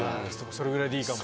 それぐらいでいいかも。